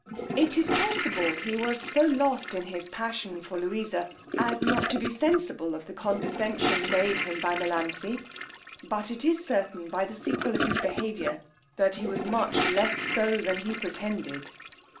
It is possible he was so lost in his passion for Louisa, as not to be sensible of the condescension made him by Melanthe; but it is certain, by the sequel of his behaviour, that he was much less so than he pretended.